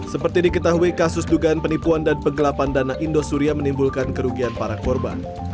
seperti diketahui kasus dugaan penipuan dan penggelapan dana indosuria menimbulkan kerugian para korban